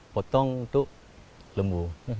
potong untuk lembu